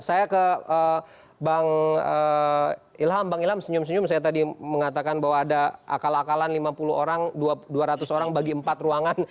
saya ke bang ilham bang ilham senyum senyum saya tadi mengatakan bahwa ada akal akalan lima puluh orang dua ratus orang bagi empat ruangan